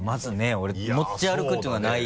俺持ち歩くっていうのがない。